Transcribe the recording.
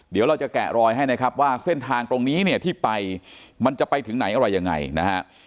เดี๋ยวเราจะแกะรอยให้นะครับว่าเส้นทางตรงนี้เนี่ยที่ไปมันจะไปถึงไหนอะไรยังไงนะฮะ